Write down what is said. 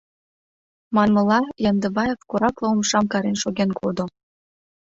Манмыла, Яндыбаев коракла умшам карен шоген кодо.